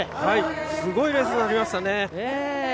すごいレースが見れましたね。